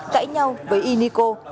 cãi nhau với y niko